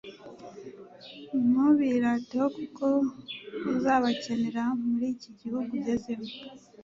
ntubirateho kuko uzabakenera muri iki gihugu ugezemo